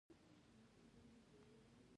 تر ورته شرایطو لاندې یې د نورو لپاره خوښ کړه.